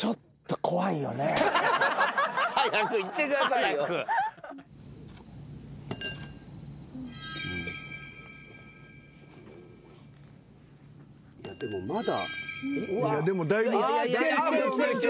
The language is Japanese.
いやでもまだ。